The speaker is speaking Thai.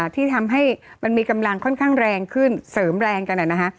ที่ทำให้มันมีกำลังค่อนข้างแรงขึ้นเสริมแรงกัน